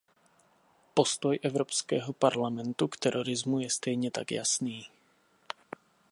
Postoj Evropského parlamentu k terorismu je stejně tak jasný.